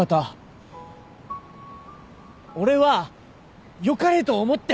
俺は良かれと思って。